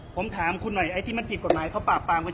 ไปทางทองทางทองอ่ะของเจ้าอ่ะมาตรศาล๑๒๐นะครับ